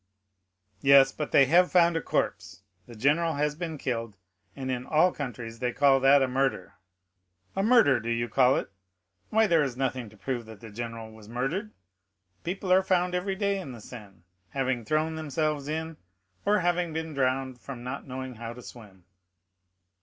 "Yes, but they have found a corpse; the general has been killed, and in all countries they call that a murder." "A murder do you call it? why, there is nothing to prove that the general was murdered. People are found every day in the Seine, having thrown themselves in, or having been drowned from not knowing how to swim."